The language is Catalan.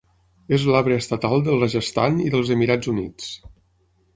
És l'arbre estatal del Rajasthan i dels Emirats Units.